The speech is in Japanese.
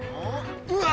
うわ！